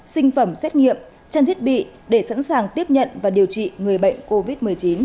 sinh phẩm xét nghiệm trang thiết bị để sẵn sàng tiếp nhận và điều trị người bệnh covid một mươi chín